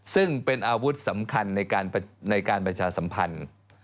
ซึ่งเป็นอาวุธสำคัญในการประชาสัมพันธ์